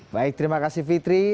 baik terima kasih fitri